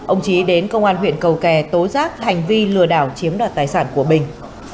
ông trí đến công an huyện cầu kè tố giác hành vi lừa đảo chiếm đoạt tài sản của bình